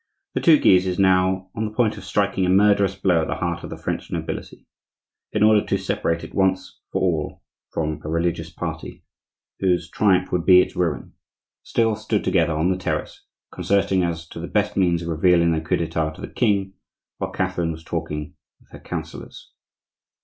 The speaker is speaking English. The two Guises, now on the point of striking a murderous blow at the heart of the French nobility, in order to separate it once for all from a religious party whose triumph would be its ruin, still stood together on the terrace, concerting as to the best means of revealing their coup d'Etat to the king, while Catherine was talking with her counsellors.